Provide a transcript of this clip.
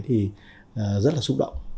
thì rất là xúc động